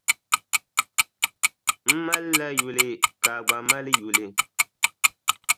M malila yuli ka a gba mali yuli.